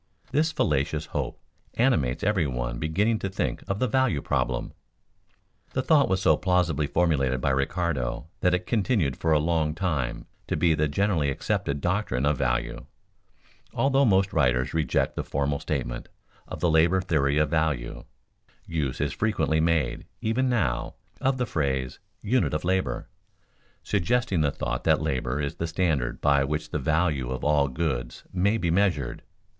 This fallacious hope animates every one beginning to think of the value problem. The thought was so plausibly formulated by Ricardo that it continued for a long time to be the generally accepted doctrine of value. Although most writers reject the formal statement of the labor theory of value, use is frequently made, even now, of the phrase "unit of labor," suggesting the thought that labor is the standard by which the value of all goods may be measured.